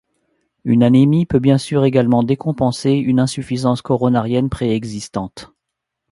Une anémie peut bien sûr également décompenser une insuffisance coronarienne préexistante.